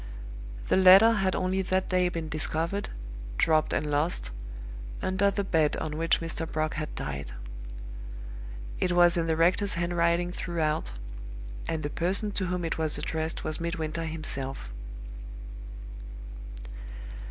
The letter had only that day been discovered dropped and lost under the bed on which Mr. Brock had died. It was in the rector's handwriting throughout; and the person to whom it was addressed was Midwinter himself.